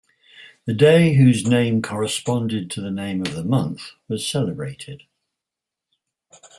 The day whose name corresponded to the name of the month was celebrated.